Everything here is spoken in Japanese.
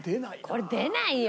これ出ないよ。